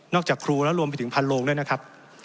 จากครูแล้วรวมไปถึงพันโลงด้วยนะครับ